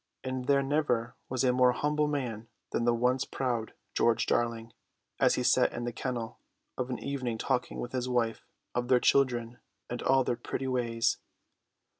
And there never was a more humble man than the once proud George Darling, as he sat in the kennel of an evening talking with his wife of their children and all their pretty ways.